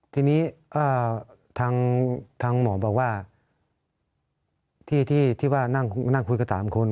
ทีนี้อ่าทางทางหมอบอกว่าที่ที่ที่ว่านั่งนั่งคุยกับสามคน